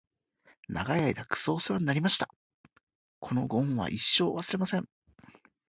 長い間クソおせわになりました！！！このご恩は一生、忘れません！！